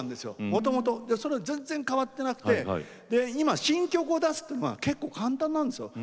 もともと、それが全然変わってなくて今、新曲を出すって簡単なんですよ。